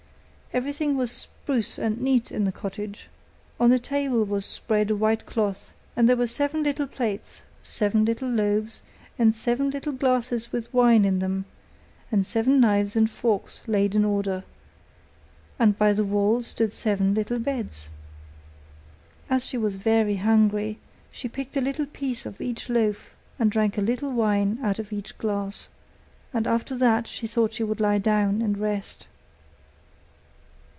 Everything was spruce and neat in the cottage: on the table was spread a white cloth, and there were seven little plates, seven little loaves, and seven little glasses with wine in them; and seven knives and forks laid in order; and by the wall stood seven little beds. As she was very hungry, she picked a little piece of each loaf and drank a very little wine out of each glass; and after that she thought she would lie down and rest.